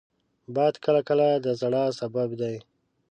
باد کله کله د ژړا سبب دی